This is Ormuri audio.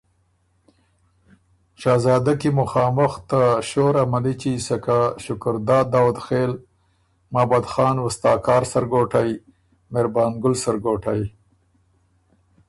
شهزاده کی مُخامُخ ته شور ا مَلِچي سکه شکرداد داؤدخېل، مهابت خان وُستاکارسرګوټئ، مهربانګل سرګوټئ،